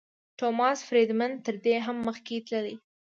ټوماس فریډمن تر دې هم مخکې تللی.